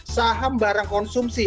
saham barang konsumsi